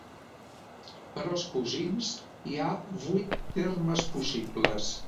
Per als cosins, hi ha vuit termes possibles.